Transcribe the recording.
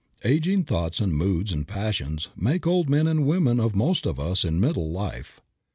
The aging thoughts and moods and passions make old men and women of most of us in middle life.